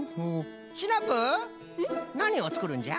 シナプーなにをつくるんじゃ？